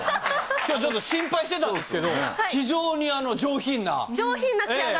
きょうちょっと心配してたんですけれども、非常に上品な。